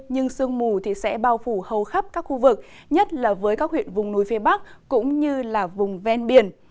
nhưng sương mù thì sẽ bao phủ hầu khắp các khu vực nhất là với các huyện vùng núi phía bắc cũng như là vùng ven biển